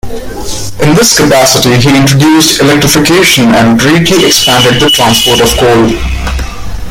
In this capacity he introduced electrification and greatly expanded the transport of coal.